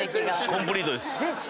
コンプリートです。